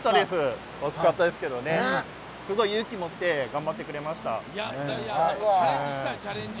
すごい勇気もって頑張ってくれました。